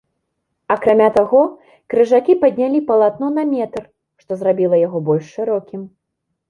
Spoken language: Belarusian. Акрамя таго, крыжакі паднялі палатно на метр, што зрабіла яго больш шырокім.